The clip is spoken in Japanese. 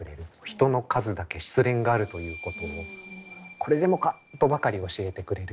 人の数だけ失恋があるということを「これでもか」とばかり教えてくれるような小説集ですね。